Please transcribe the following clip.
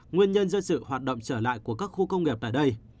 nguyên nhân do sự hoạt động trở lại của các khu công nghiệp tại đây